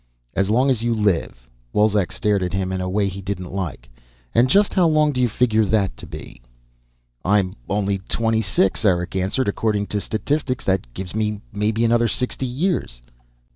"As long as you live." Wolzek stared at him in a way he didn't like. "And just how long do you figure that to be?" "I'm only twenty six," Eric answered. "According to statistics, that gives me maybe another sixty years."